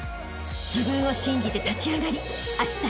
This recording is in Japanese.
［自分を信じて立ち上がりあしたへ